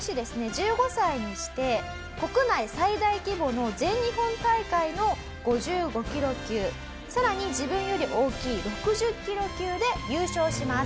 １５歳にして国内最大規模の全日本大会の５５キロ級さらに自分より大きい６０キロ級で優勝します。